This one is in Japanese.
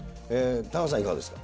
田中さん、いかがですか。